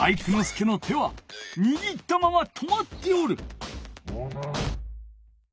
介の手はにぎったまま止まっておる。